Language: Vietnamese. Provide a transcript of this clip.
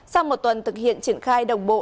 sau một tuần thực hiện triển khai đồng bộ